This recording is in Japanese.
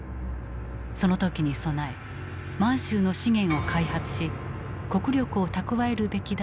その時に備え満州の資源を開発し国力を蓄えるべきだと考えていた。